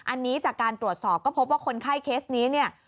อันนี้จากการตรวจสอบก็พบว่าคนไข้เคสนี้เนี่ย